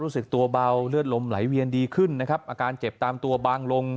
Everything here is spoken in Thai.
รู้สึกตัวเบาเลือดลมไหลเวียนดีขึ้นนะครับอาการเจ็บตามตัวบางลง